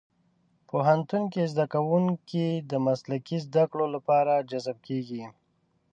پوهنتون کې زدهکوونکي د مسلکي زدهکړو لپاره جذب کېږي.